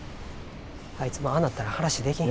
あいつもああなったら話できん。